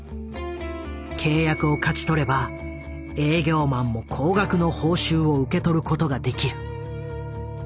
契約を勝ち取れば営業マンも高額の報酬を受け取ることができる。